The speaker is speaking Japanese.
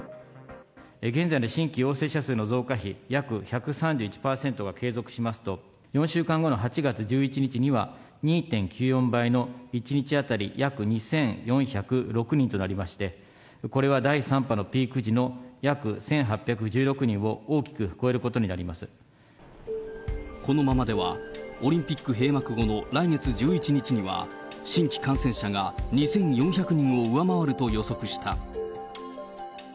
現在の新規陽性者数の増加比、約１３１％が継続しますと、４週間後の８月１１日には、２．９４倍の１日当たり約２４０６人となりまして、これは第３波のピーク時の約１８１６人を大きく超えることになりこのままでは、オリンピック閉幕後の来月１１日には、新規感染者が２４００人を上回ると予測した。